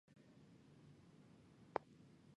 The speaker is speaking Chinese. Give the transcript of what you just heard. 巴黎圣日耳曼是本届的卫冕冠军。